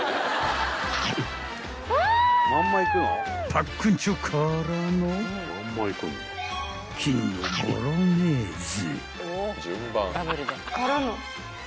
［パックンチョからの金のボロネーゼ］